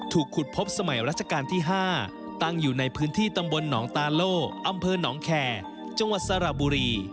ถูกขุดพบสมัยราชการที่๕ตั้งอยู่ในพื้นที่ตำบลหนองตาโล่อำเภอหนองแคร์จังหวัดสระบุรี